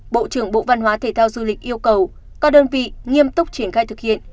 bộ trưởng bộ văn hóa thể thao du lịch yêu cầu các đơn vị nghiêm túc triển khai thực hiện